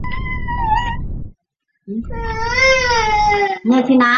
孵溪蟾只曾发现在未开发的雨林出现。